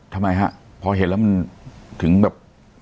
ทำไมฮะพอเห็นแล้วมันถึงแบบ